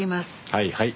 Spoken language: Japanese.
はいはい。